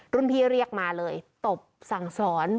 พี่เรียกมาเลยตบสั่งสอน